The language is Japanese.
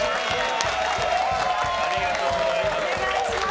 ありがとうございます。